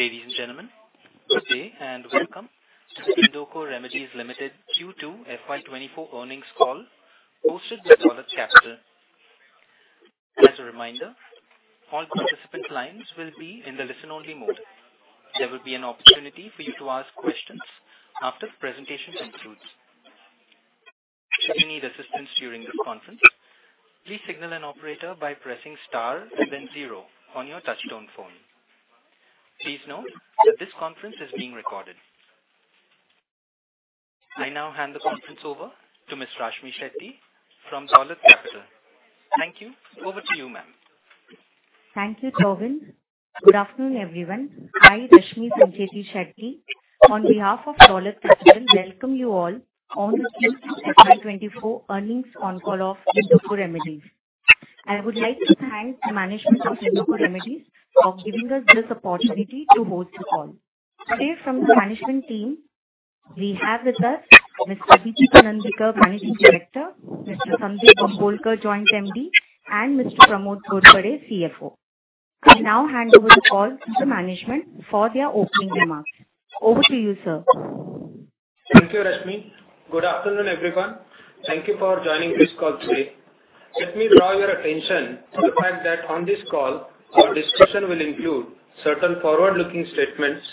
Ladies and gentlemen, good day, and welcome to the Indoco Remedies Limited Q2 FY 2024 Earnings Call hosted by Dolat Capital. As a reminder, all participant lines will be in the listen-only mode. There will be an opportunity for you to ask questions after the presentation concludes. Should you need assistance during this conference, please signal an operator by pressing star and then zero on your touchtone phone. Please note that this conference is being recorded. I now hand the conference over to Ms. Rashmi Sancheti from Dolat Capital. Thank you. Over to you, ma'am. Thank you, Tobin. Good afternoon, everyone. I, Rashmi Sancheti, on behalf of Dolat Capital, welcome you all on the FY 2024 earnings call of Indoco Remedies. I would like to thank the management of Indoco Remedies for giving us this opportunity to host the call. Today, from the management team, we have with us Ms. Aditi Kare Panandikar, Managing Director, Mr. Sundeep V. Bambolkar, Joint MD, and Mr. Pramod Ghorpade, CFO. I now hand over the call to the management for their opening remarks. Over to you, sir. Thank you, Rashmi. Good afternoon, everyone. Thank you for joining this call today. Let me draw your attention to the fact that on this call, our discussion will include certain forward-looking statements,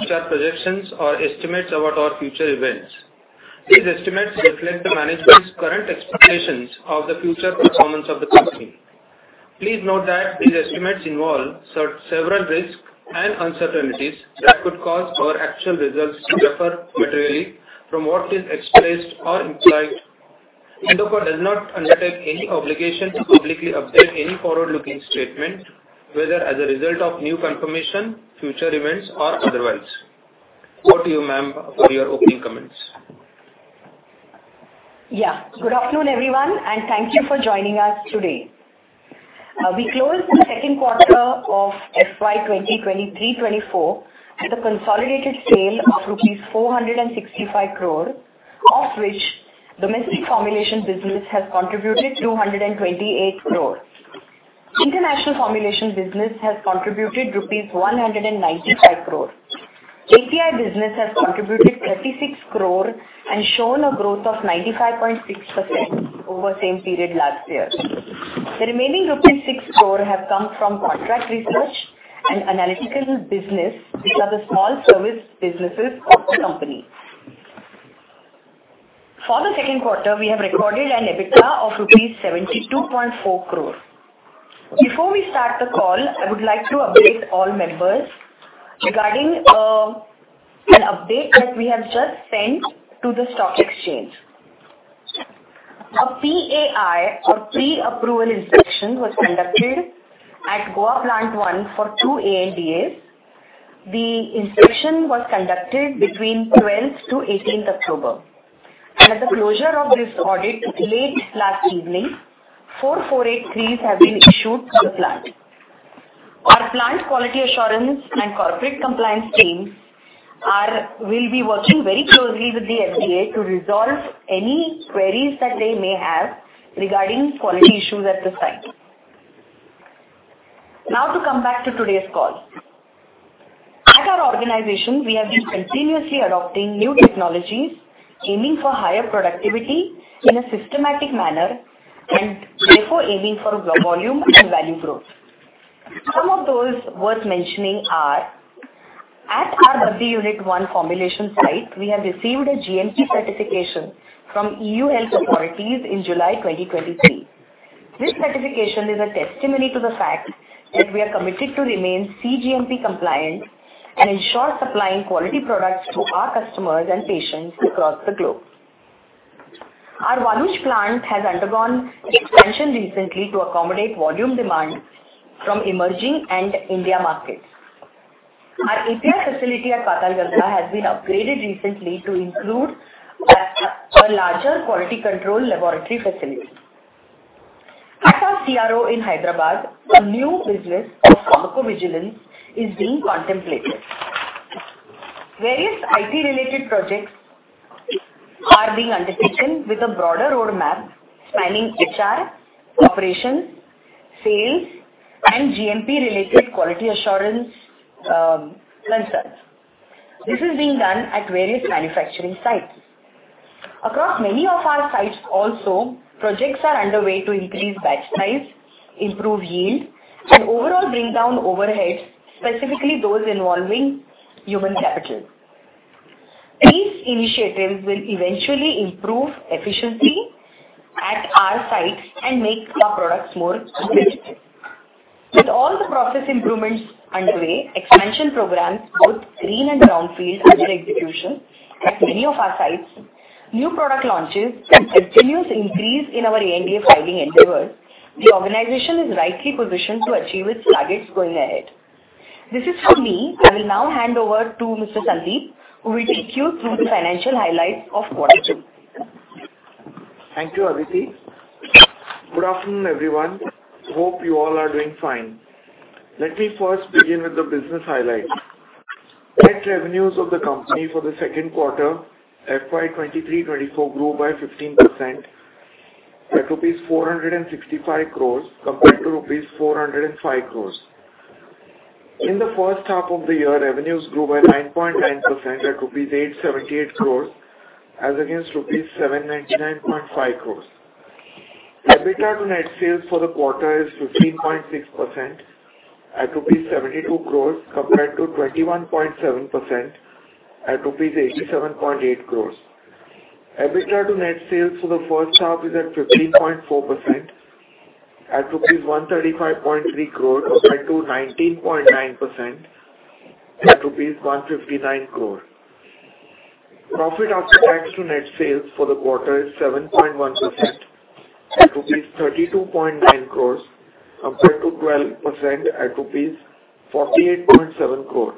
which are projections or estimates about our future events. These estimates reflect the management's current expectations of the future performance of the company. Please note that these estimates involve several risks and uncertainties that could cause our actual results to differ materially from what is expressed or implied. Indoco does not undertake any obligation to publicly update any forward-looking statement, whether as a result of new confirmation, future events, or otherwise. Over to you, ma'am, for your opening comments. Yeah. Good afternoon, everyone, and thank you for joining us today. We closed the Q2 of FY 2023/2024 at a consolidated scale of 465 crore rupees, of which domestic formulation business has contributed 228 crore. International formulation business has contributed 195 crore rupees. API business has contributed 36 crore and shown a growth of 95.6% over the same period last year. The remaining rupees 6 crore have come from contract research and analytical business, which are the small service businesses of the company. For the Q2, we have recorded an EBITDA of rupees 72.4 crore. Before we start the call, I would like to update all members regarding an update that we have just sent to the stock exchange. A PAI, or Pre-Approval Inspection, was conducted at Goa Plant One for two ANDAs. The inspection was conducted between 12th to 18th October. At the closure of this audit late last evening, four Form 483s have been issued for the plant. Our plant quality assurance and corporate compliance teams are will be working very closely with the FDA to resolve any queries that they may have regarding quality issues at the site. Now, to come back to today's call. At our organization, we have been continuously adopting new technologies, aiming for higher productivity in a systematic manner, and therefore, aiming for volume and value growth. Some of those worth mentioning are, at our Baddi Unit One formulation site, we have received a GMP certification from EU health authorities in July 2023. This certification is a testimony to the fact that we are committed to remain CGMP compliant and ensure supplying quality products to our customers and patients across the globe. Our Verna plant has undergone expansion recently to accommodate volume demand from emerging and Indian markets. Our API facility at Patalganga has been upgraded recently to include a larger quality control laboratory facility. At our CRO in Hyderabad, a new business of pharmacovigilance is being contemplated. Various IT-related projects are being undertaken with a broader roadmap spanning HR, operations, sales, and GMP-related quality assurance, concerns. This is being done at various manufacturing sites. Across many of our sites also, projects are underway to increase batch size, improve yield, and overall bring down overheads, specifically those involving human capital. These initiatives will eventually improve efficiency at our sites and make our products more competitive. With all the process improvements underway, expansion programs, both green and brown fields, under execution at many of our sites, new product launches, and continuous increase in our ANDA filing endeavors, the organization is rightly positioned to achieve its targets going ahead. This is from me. I will now hand over to Mr. Sundeep, who will take you through the financial highlights of quarter two. Thank you, Aditi. Good afternoon, everyone. Hope you all are doing fine. Let me first begin with the business highlights. Net revenues of the company for the Q2, FY 2023-2024, grew by 15% at rupees 465 crores, compared to rupees 405 crores. In the first half of the year, revenues grew by 9.9% at rupees 878 crores, as against rupees 799.5 crores. EBITDA to net sales for the quarter is 15.6% at rupees 72 crores, compared to 21.7% at rupees 87.8 crores. EBITDA to net sales for the first half is at 15.4% at rupees 135.3 crores, compared to 19.9% at rupees 159 crore. Profit after tax to net sales for the quarter is 7.1% at rupees 32.9 crores, compared to 12% at rupees 48.7 crore.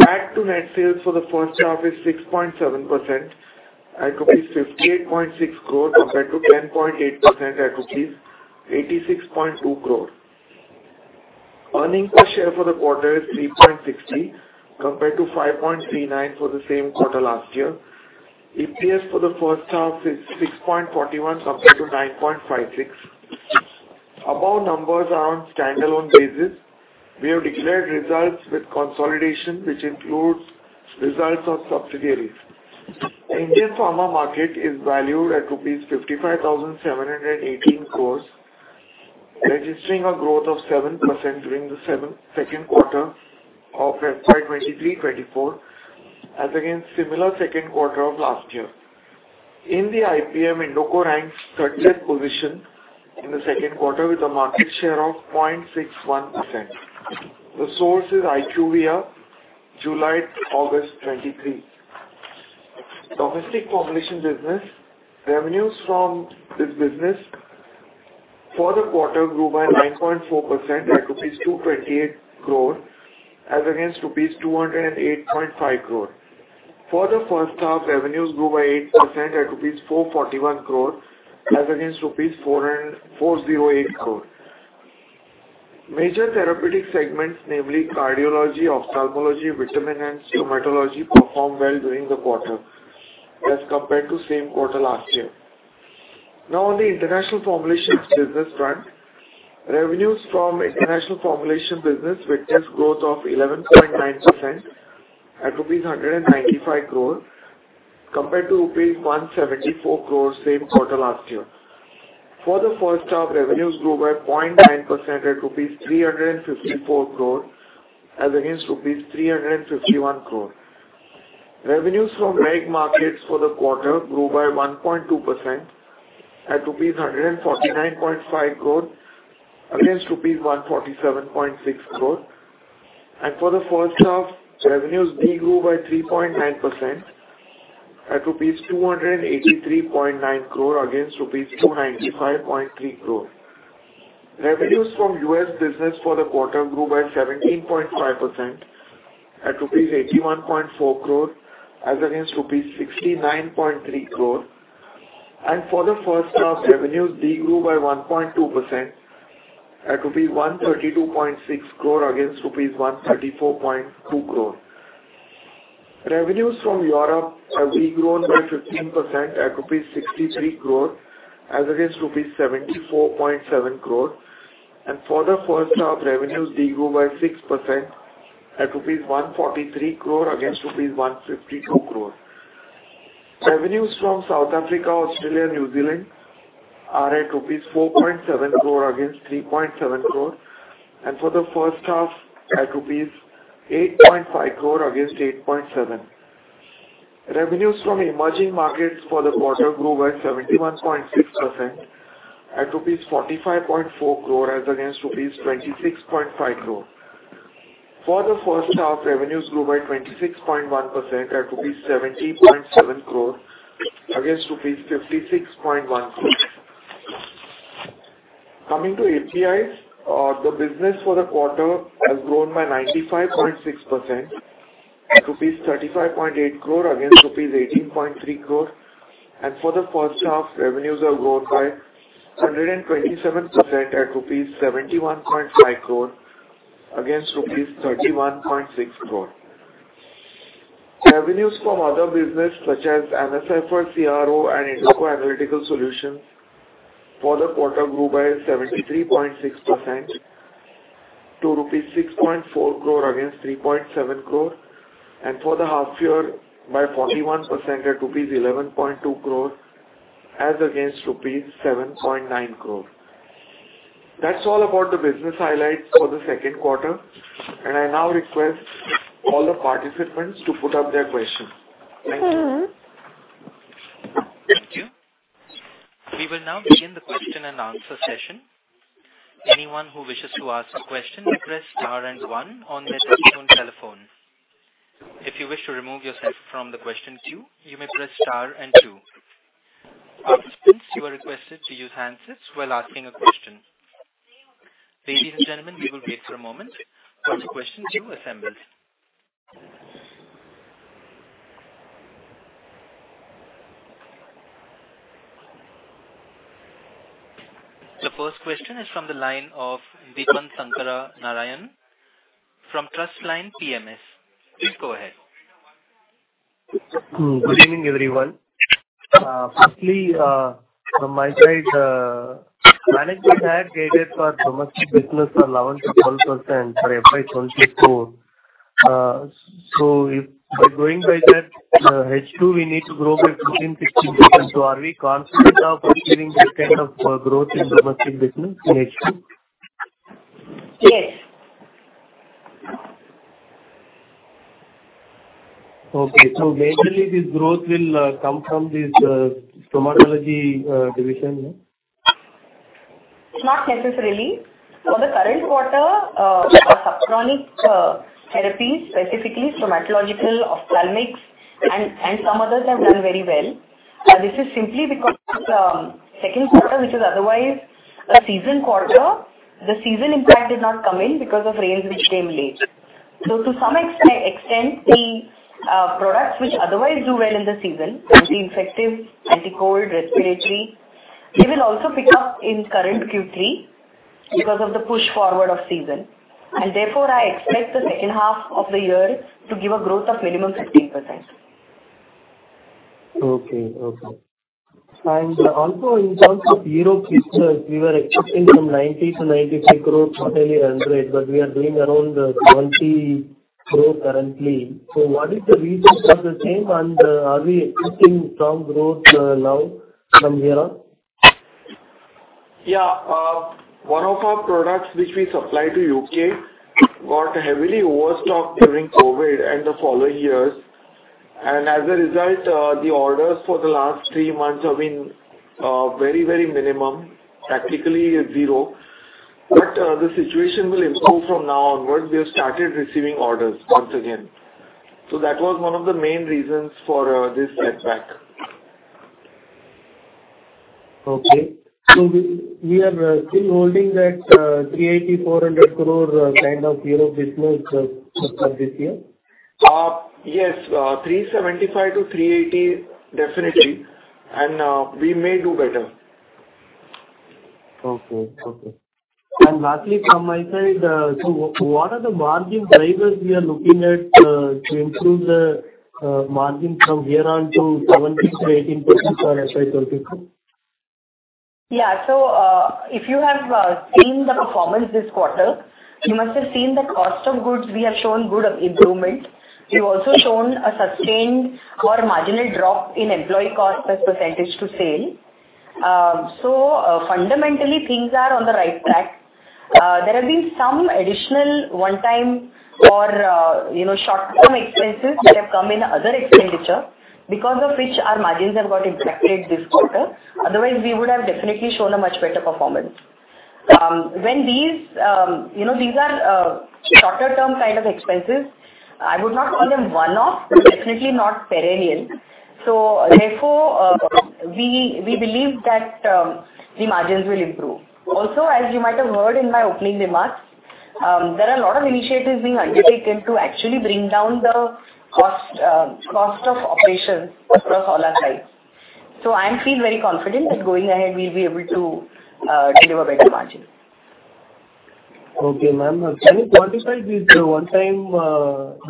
Back to net sales for the first half is 6.7% at rupees 58.6 crore, compared to 10.8% at rupees 86.2 crore. Earnings per share for the quarter is 3.60, compared to 5.39 for the same quarter last year. EPS for the first half is 6.41, compared to 9.56. Above numbers are on standalone basis. We have declared results with consolidation, which includes results of subsidiaries. Indian pharma market is valued at rupees 55,718 crore, registering a growth of 7% during the Q2 of FY 2023-24, as against similar Q2 of last year. In the IPM, Indoco ranks third position in the Q2 with a market share of 0.61%. The source is IQVIA, July, August 2023. Domestic formulation business, revenues from this business for the quarter grew by 9.4% at rupees 228 crore, as against rupees 208.5 crore. For the first half, revenues grew by 8% at rupees 441 crore, as against 408 crore. Major therapeutic segments, namely cardiology, ophthalmology, vitamin, and dermatology, performed well during the quarter as compared to same quarter last year. Now, on the international formulations business front, revenues from international formulation business with just growth of 11.9% at rupees 195 crore, compared to rupees 174 crore same quarter last year. For the first half, revenues grew by 0.9% at rupees 354 crore, as against rupees 351 crore. Revenues from reg markets for the quarter grew by 1.2% at rupees 149.5 crore, against rupees 147.6 crore. For the first half, revenues did grow by 3.9% at rupees 283.9 crore, against rupees 295.3 crore. Revenues from U.S. business for the quarter grew by 17.5% at rupees 81.4 crore, as against rupees 69.3 crore. For the first half, revenues did grow by 1.2% at rupees 132.6 crore, against rupees 134.2 crore. Revenues from Europe have grown by 15% at rupees 63 crore, as against rupees 74.7 crore. For the first half, revenues did grow by 6% at rupees 143 crore, against rupees 152 crore. Revenues from South Africa, Australia, New Zealand are at INR 4.7 crore against 3.7 crore, and for the first half, at INR 8.5 crore against 8.7. Revenues from emerging markets for the quarter grew by 71.6% at rupees 45.4 crore, as against rupees 26.5 crore. For the first half, revenues grew by 26.1% at rupees 70.7 crore, against rupees 56.1 crore. Coming to APIs, the business for the quarter has grown by 95.6%, at rupees 35.8 crore against rupees 18.3 crore. For the first half, revenues have grown by 127% at rupees 71.5 crore, against rupees 31.6 crore. Revenues from other business, such as AnaCipher for CRO and Indoco Analytical Solutions, for the quarter grew by 73.6% to rupees 6.4 crore against 3.7 crore, and for the half year, by 41% at rupees 11.2 crore, as against rupees 7.9 crore. That's all about the business highlights for the Q2, and I now request all the participants to put up their questions. Thank you. Thank you. We will now begin the question and answer session. Anyone who wishes to ask a question may press star and one on their touchtone telephone. If you wish to remove yourself from the question queue, you may press star and two. Participants, you are requested to use handsets while asking a question. Ladies and gentlemen, we will wait for a moment for the question queue assembled. The first question is from the line of Deepan Sankara Narayanan from Trustline PMS. Please go ahead. Good evening, everyone. Firstly, from my side, management had guided for domestic business for 11%-12% for FY 2024. So if by going by that, H2, we need to grow by 15%-16%. So are we confident of achieving this kind of growth in domestic business in H2? Yes. Okay. So mainly this growth will come from this dermatology division, no? Not necessarily. For the current quarter, our subchronic therapies, specifically stomatological, ophthalmics, and some others have done very well. This is simply because, Q2, which is otherwise a season quarter, the season impact did not come in because of rains which came late. So to some extent, the products which otherwise do well in the season, infective, anti-cold, respiratory, they will also pick up in current Q3 because of the push forward of season. And therefore, I expect the second half of the year to give a growth of minimum 15%. Okay. Okay. And also in terms of Europe business, we were expecting from INR 90 crore to INR 95 crore, nearly 100 crore, but we are doing around 20 crore currently. So what is the reason for the change, and are we expecting strong growth now from here on? Yeah. One of our products which we supply to U.K. got heavily overstocked during COVID and the following years, and as a result, the orders for the last three months have been, very, very minimum, practically zero. But, the situation will improve from now onwards. We have started receiving orders once again. So that was one of the main reasons for, this setback. Okay. So we are still holding that 380 crore-400 crore kind of Europe business for this year? Yes, 375-380, definitely, and we may do better. Okay. Okay. And lastly, from my side, so what are the margin drivers we are looking at to improve the margin from here on to 17%-18% for FY 2024? Yeah. So, if you have seen the performance this quarter, you must have seen the cost of goods. We have shown good improvement. We've also shown a sustained or marginal drop in employee cost as percentage to sale. So, fundamentally, things are on the right track. There have been some additional one-time or, you know, short-term expenses which have come in other expenditure, because of which our margins have got impacted this quarter. Otherwise, we would have definitely shown a much better performance. When these you know, these are shorter-term kind of expenses. I would not call them one-off. They're definitely not perennial. So therefore, we believe that the margins will improve. Also, as you might have heard in my opening remarks, there are a lot of initiatives being undertaken to actually bring down the cost, cost of operations across all our sites. So I feel very confident that going ahead, we'll be able to, deliver better margins. Okay, ma'am. Can you quantify this one-time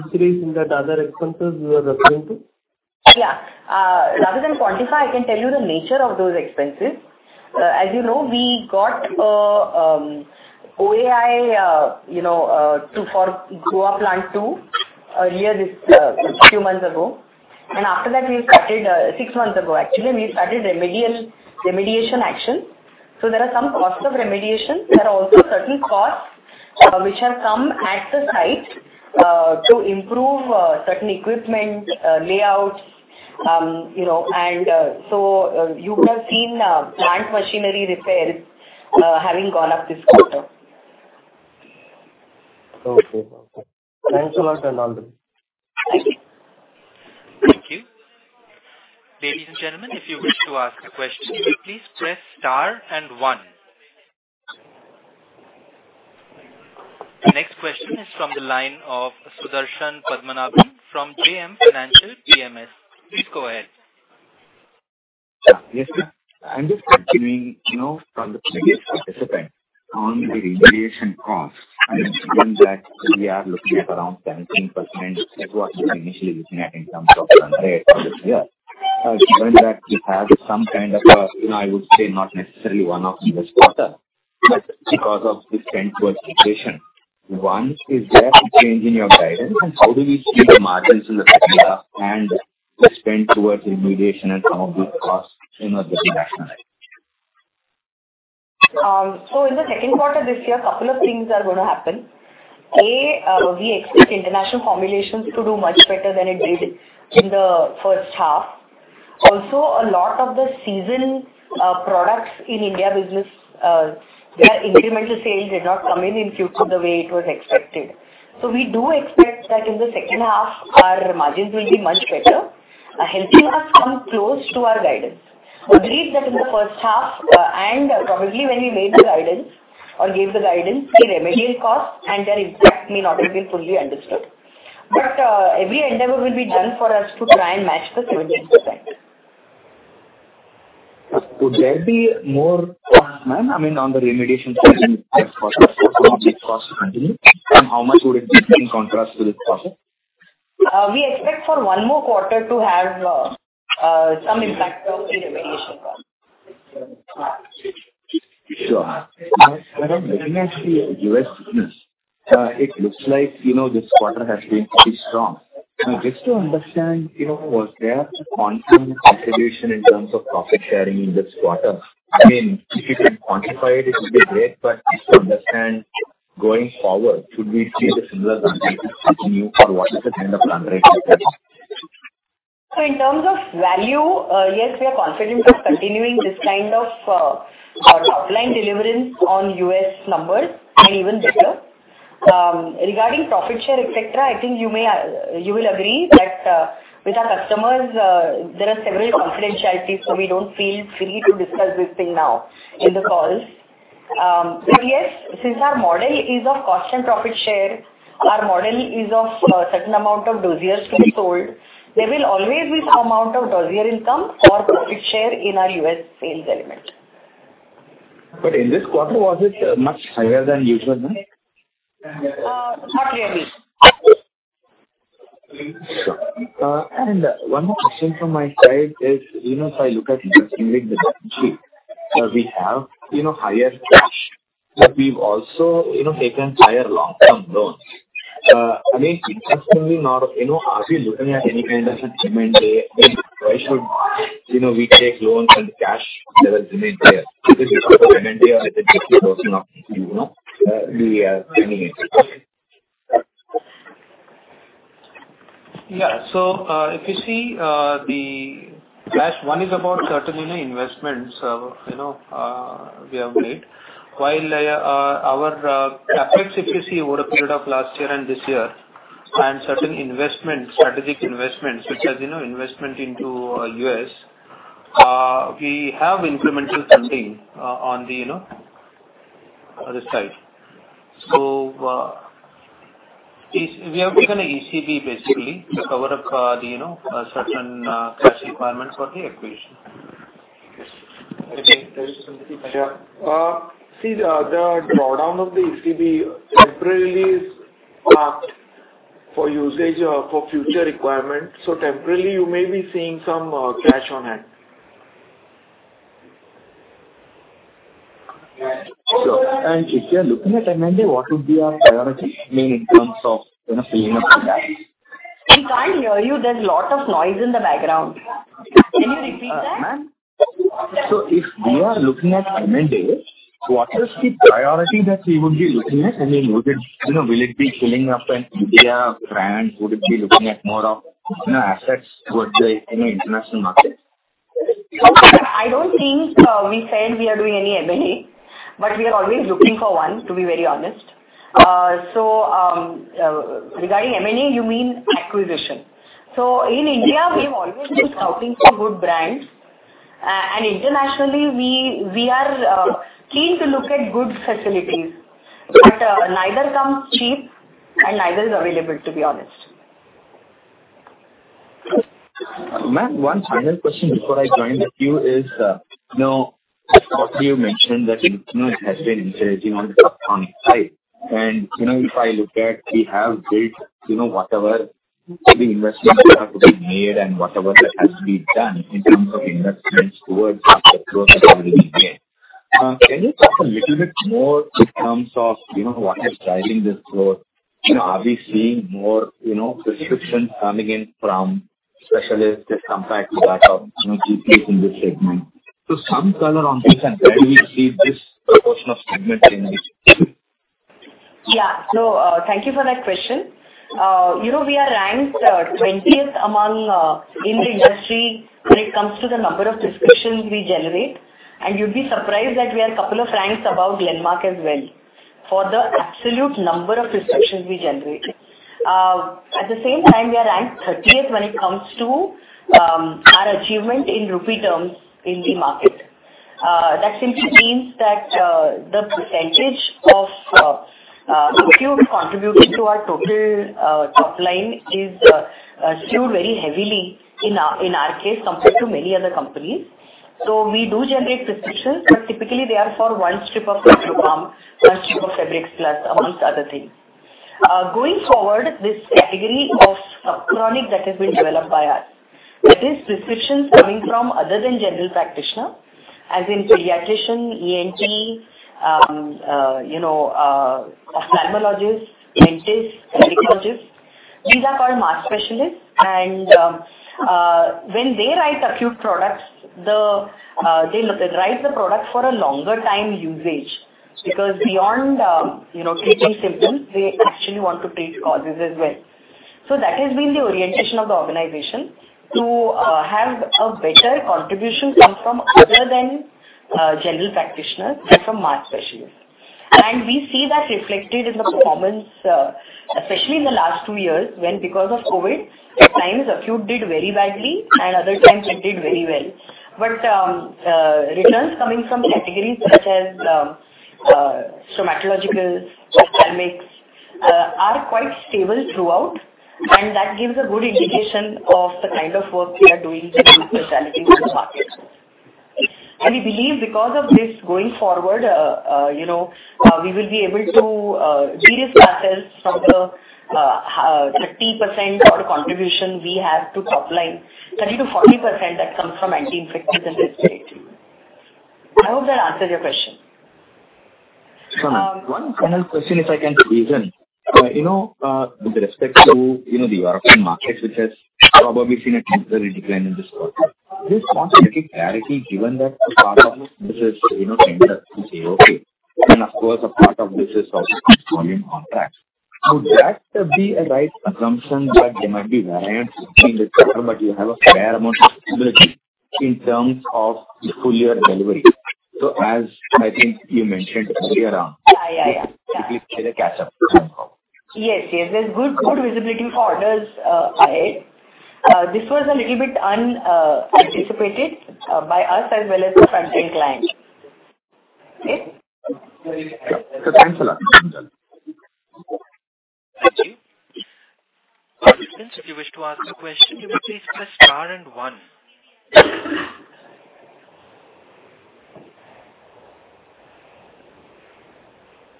increase in that other expenses you are referring to? Yeah. Rather than quantify, I can tell you the nature of those expenses. As you know, we got a OAI, you know, to for Goa Plant Two earlier this few months ago. And after that, we started six months ago, actually, we started remediation action. So there are some costs of remediation. There are also certain costs which have come at the site to improve certain equipment layouts, you know, and so you would have seen plant machinery repairs having gone up this quarter. Okay. Thanks a lot, Aditi. Thank you. Thank you. Ladies and gentlemen, if you wish to ask a question, please press star and one. The next question is from the line of Sudarshan Padmanabhan from JM Financial PMS. Please go ahead. Yeah. Yes, ma'am, I'm just continuing, you know, from the previous participant on the remediation cost, and given that we are looking at around 17%, that was initially looking at in terms of run rate for this year. Given that we have some kind of, you know, I would say not necessarily one-off in this quarter, but because of the spend towards situation, one, is there a change in your guidance, and how do we see the margins in the second half and the spend towards remediation and some of these costs, you know, this is rationalized? So in the Q2 this year, a couple of things are going to happen. A, we expect international formulations to do much better than it did in the first half. Also, a lot of the seasonal products in India business, their incremental sales did not come in in future the way it was expected. So we do expect that in the second half, our margins will be much better, helping us come close to our guidance. Believe that in the first half, and probably when we made the guidance or gave the guidance, the remedial cost and their impact may not have been fully understood. But every endeavor will be done for us to try and match the 17%. Would there be more, ma'am, I mean, on the remediation side? How much would it be in contrast to this process? We expect for one more quarter to have some impact on the remediation. Sure. Madam, looking at the U.S. business, it looks like, you know, this quarter has been pretty strong. Now, just to understand, you know, was there a constant contribution in terms of profit sharing in this quarter? I mean, if you can quantify it, it would be great, but just to understand, going forward, should we see the similar run rate continue, or what is the kind of run rate like that? So in terms of value, yes, we are confident of continuing this kind of top-line deliverance on US numbers and even better. Regarding profit share, et cetera, I think you may, you will agree that with our customers there are several confidentialities, so we don't feel free to discuss this thing now in the call. But yes, since our model is of cost and profit share, our model is of a certain amount of dossiers to be sold. There will always be some amount of dossier income or profit share in our US sales element. But in this quarter, was it much higher than usual, ma'am? Not really. Sure. And one more question from my side is, you know, if I look at the balance sheet, we have, you know, higher cash, but we've also, you know, taken higher long-term loans. I mean, interestingly, now, you know, are we looking at any kind of M&A? Then why should, you know, we take loans and cash that has been made here? Is it M&A or is it just a portion of, you know, we are planning it? Yeah. So, if you see, the cash, one is about certainly investments, you know, we have made. While our capex, if you see over a period of last year and this year, and certain investments, strategic investments, which are, you know, investment into U.S., we have implemented something on the, you know, other side. So, we have taken a ECB, basically, to cover up the, you know, certain cash requirements for the acquisition. Okay. Yeah. See, the drawdown of the ECB temporarily is for usage or for future requirements. So temporarily, you may be seeing some cash on hand. Sure. And if you are looking at M&A, what would be our priority, I mean, in terms of, you know, filling up the gap? We can't hear you. There's a lot of noise in the background. Can you repeat that? Ma'am. So if we are looking at M&A, what is the priority that we would be looking at? I mean, would it... You know, will it be filling up an India brand? Would it be looking at more of, you know, assets towards the international market? I don't think we said we are doing any M&A, but we are always looking for one, to be very honest. So, regarding M&A, you mean acquisition. So in India, we've always been scouting for good brands, and internationally, we are keen to look at good facilities, but neither comes cheap and neither is available, to be honest. Ma'am, one final question before I join the queue is, you know, you mentioned that, you know, it has been interesting on the top line side. You know, if I look at, we have built, you know, whatever the investments that have to be made and whatever that has to be done in terms of investments towards the growth that will be made. Can you talk a little bit more in terms of, you know, what is driving this growth? You know, are we seeing more, you know, prescriptions coming in from specialists as compared to that of, you know, GPs in this segment? So some color on this and where do we see this proportion of segment in this? Yeah. No, thank you for that question. You know, we are ranked twentieth among in the industry when it comes to the number of prescriptions we generate. You'd be surprised that we are a couple of ranks above Glenmark as well, for the absolute number of prescriptions we generated. At the same time, we are ranked thirtieth when it comes to our achievement in rupee terms in the market. That simply means that the percentage of acute contribution to our total top line is skewed very heavily in our case, compared to many other companies. We do generate prescriptions, but typically they are for one strip of microbiome, one strip of Febrex Plus, amongst other things. Going forward, this category of chronic that has been developed by us, that is prescriptions coming from other than general practitioner, as in pediatrician, ENT, you know, ophthalmologist, dentist, gynecologist. These are called mass specialists, and when they write acute products, they write the product for a longer time usage, because beyond, you know, treating symptoms, they actually want to treat causes as well. So that has been the orientation of the organization to have a better contribution come from other than general practitioners and from mass specialists. And we see that reflected in the performance, especially in the last two years, when because of COVID, at times, acute did very badly and other times it did very well. But returns coming from categories such as... Dermatological cosmetics are quite stable throughout, and that gives a good indication of the kind of work we are doing in the specialty market. And we believe because of this going forward, you know, we will be able to de-risk ourselves from the 30% order contribution we have to top line, 30%-40% that comes from anti-infectives and respiratory. I hope that answered your question. One final question, if I can raise one. You know, with respect to, you know, the European market, which has probably seen a temporary decline in this quarter. This constant clarity, given that the part of this is, you know, tender from AOK, and of course, a part of this is also volume on that. Would that be a right assumption, that there might be variance between this quarter, but you have a fair amount of stability in terms of the full year delivery? So as I think you mentioned earlier on- Yeah, yeah, yeah. It will get a catch-up somehow. Yes, yes. There's good, good visibility for orders ahead. This was a little bit unanticipated by us as well as the front-end client. Okay? Thanks a lot. Thank you. Participants, if you wish to ask a question, you may please press star and one.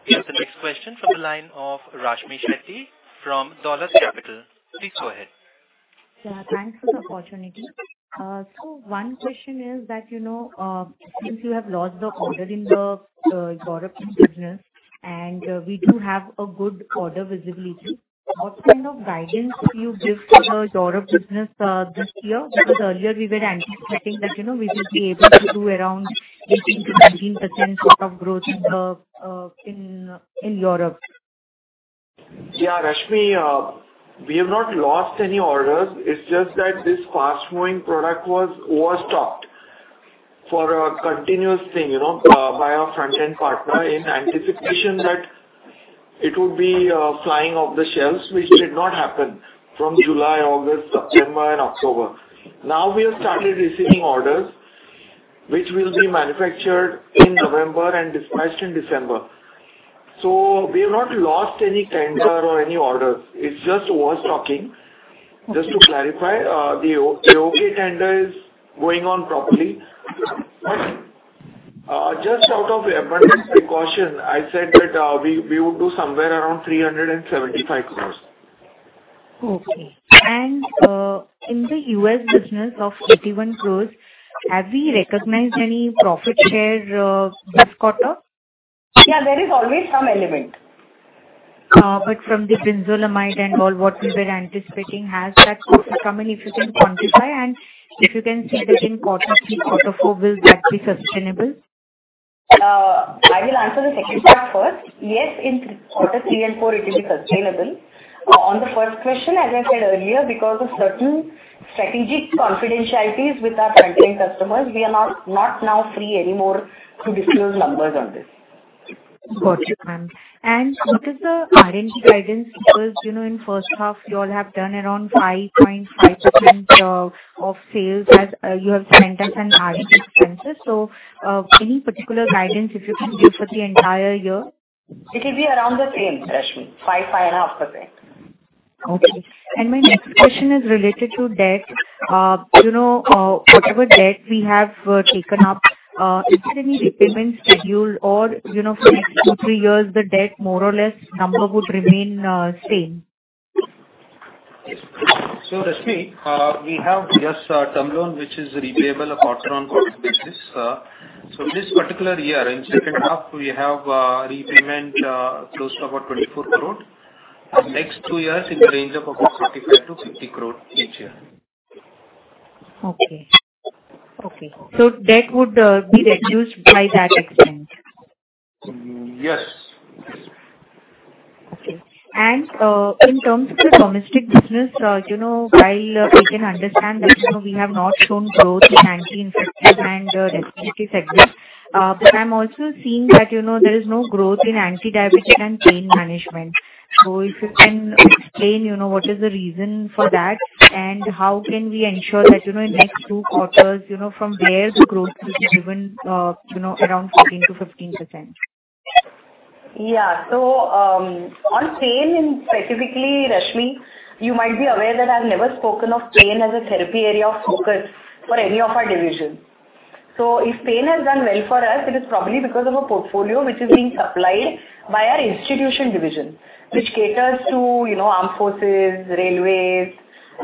We have the next question from the line of Rashmi Sancheti from Dolat Capital. Please go ahead. Yeah, thanks for the opportunity. So one question is that, you know, since you have lost the order in the European business, and we do have a good order visibility, what kind of guidance would you give for the Europe business this year? Because earlier we were anticipating that, you know, we will be able to do around 18%-19% of growth in Europe. Yeah, Rashmi, we have not lost any orders. It's just that this fast-moving product was overstocked for a continuous thing, you know, by our front-end partner, in anticipation that it would be flying off the shelves, which did not happen from July, August, September and October. Now, we have started receiving orders, which will be manufactured in November and dispatched in December. So we have not lost any tender or any orders. It's just overstocking. Okay. Just to clarify, the AOK tender is going on properly. Just out of abundance precaution, I said that we would do somewhere around 375 crore. Okay. In the U.S. business of 81 crore, have we recognized any profit share this quarter? Yeah, there is always some element. But from the brinzolamide and all, what we were anticipating, has that come in, if you can quantify? And if you can see that in quarter three, quarter four, will that be sustainable? I will answer the second part first. Yes, in quarter three and four, it will be sustainable. On the first question, as I said earlier, because of certain strategic confidentialities with our front-end customers, we are not, not now free anymore to disclose numbers on this. Got you, ma'am. And what is the R&D guidance? Because, you know, in first half, you all have done around 5.5% of sales as you have spent as an R&D expenses. So, any particular guidance if you can give for the entire year? It will be around the same, Rashmi, 5%-5.5%. Okay. My next question is related to debt. You know, whatever debt we have taken up, is there any repayment schedule or, you know, for next 2-3 years, the debt, more or less, number would remain same? So, Rashmi, we have just a term loan, which is repayable of around quarterly basis. So this particular year, in second half, we have repayment close to about 24 crore. Next two years in the range of about 55 crore-50 crore each year. Okay. Okay. So debt would be reduced by that extent? Yes. Okay. And, in terms of the domestic business, you know, while we can understand that, you know, we have not shown growth in anti-infective and, respiratory segment, but I'm also seeing that, you know, there is no growth in anti-diabetes and pain management. So if you can explain, you know, what is the reason for that, and how can we ensure that, you know, in next two quarters, you know, from there the growth is even, you know, around 14%-15%? Yeah. So, on pain and specifically, Rashmi, you might be aware that I've never spoken of pain as a therapy area of focus for any of our divisions. So if pain has done well for us, it is probably because of a portfolio which is being supplied by our institution division, which caters to, you know, armed forces, railways,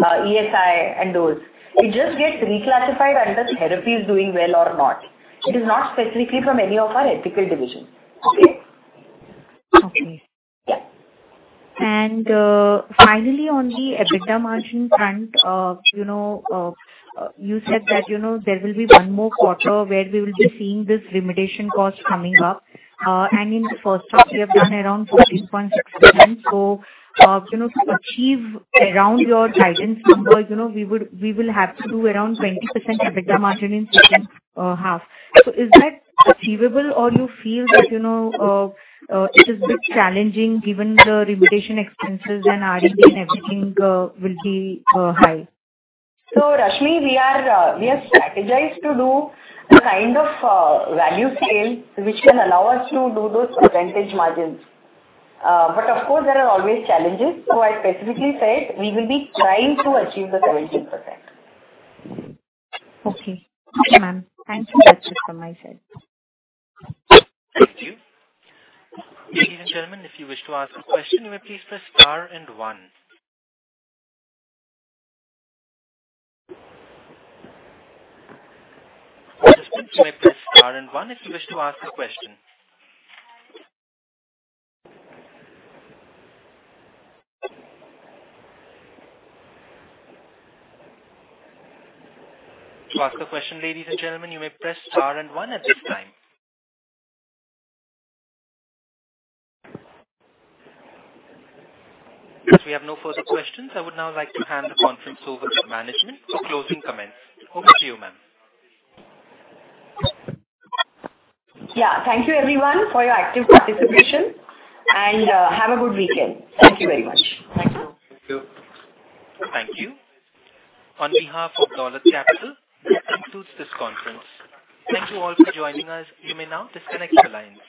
ESI and those. It just gets reclassified under therapy is doing well or not. It is not specifically from any of our ethical divisions. Okay? Okay. Yeah. Finally, on the EBITDA margin front, you know, you said that, you know, there will be one more quarter where we will be seeing this remediation cost coming up. And in the first half, you have done around 14.6%. So, you know, to achieve around your guidance number, you know, we will have to do around 20% EBITDA margin in second half. So is that achievable or you feel that, you know, it is a bit challenging given the remediation expenses and R&D and everything, will be high? So, Rashmi, we are, we have strategized to do the kind of, value sales which can allow us to do those percentage margins. But of course, there are always challenges. So I specifically said we will be trying to achieve the 17%. Okay. Okay, ma'am. Thanks for that system I said. Thank you. Ladies and gentlemen, if you wish to ask a question, you may please press star and one. Participants, you may press star and one if you wish to ask a question. To ask a question, ladies and gentlemen, you may press star and one at this time. As we have no further questions, I would now like to hand the conference over to management for closing comments. Over to you, ma'am. Yeah. Thank you, everyone, for your active participation, and have a good weekend. Thank you very much. Thank you. Thank you. On behalf of Dolat Capital, this concludes this conference. Thank you all for joining us. You may now disconnect your lines.